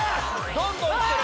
どんどん行ってる！